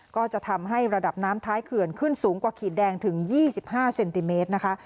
ก็จะทำให้ระดับน้ำท้ายเขื่อนขึ้นสูงกว่าขีดแดงถึง๒๕เซนติเมตรนะคะ